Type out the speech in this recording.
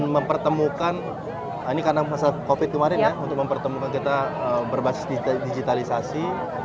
mempertemukan ini karena masa covid kemarin ya untuk mempertemukan kita berbasis digitalisasi